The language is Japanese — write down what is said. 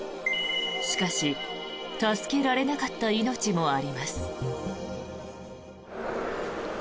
しかし助けられなかった命もあります。